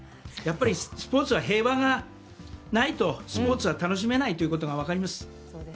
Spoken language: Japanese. やっぱりスポーツは平和がないと楽しめないということが分かります。